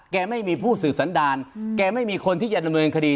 ไม่มีผู้สืบสันดารแกไม่มีคนที่จะดำเนินคดี